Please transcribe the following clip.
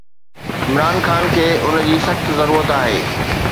عمران خان کي ان جي سخت ضرورت آهي.